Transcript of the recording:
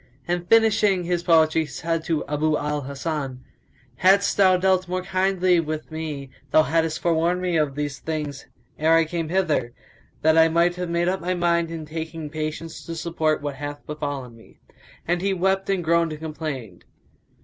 And finishing his poetry he said to Abu al Hasan, "Hadst thou Dealt more kindly with me thou haddest forewarned me of these things ere I came hither, that I might have made up my mind and taken patience to support what hath befallen me." And he wept and groaned and complained.